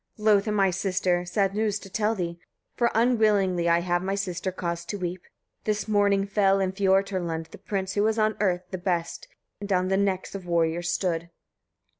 28. Loath am I, sister! sad news to tell thee; for unwillingly I have my sister caused to weep. This morning fell, in Fioturlund, the prince who was on earth the best, and on the necks of warriors stood.